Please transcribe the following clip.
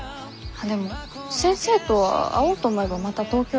でも先生とは会おうと思えばまた東京でばったり。